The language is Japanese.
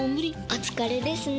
お疲れですね。